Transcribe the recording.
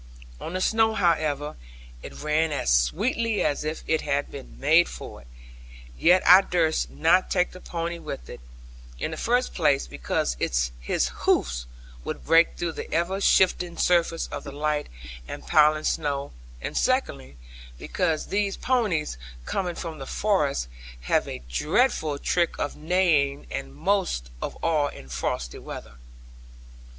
On the snow, however, it ran as sweetly as if it had been made for it; yet I durst not take the pony with it; in the first place, because his hoofs would break through the ever shifting surface of the light and piling snow; and secondly, because these ponies, coming from the forest, have a dreadful trick of neighing, and most of all in frosty weather.